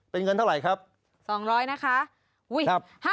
เป็นเงินเท่าไหร่ครับ๒๐๐นะคะหุ้ย๕๑๑๐๐๐